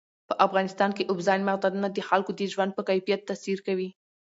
په افغانستان کې اوبزین معدنونه د خلکو د ژوند په کیفیت تاثیر کوي.